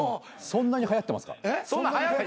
そんなにはやってます？